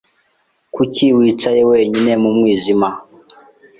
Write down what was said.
Kuki wicaye wenyine mu mwijima?